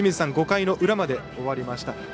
５回の裏まで終わりました。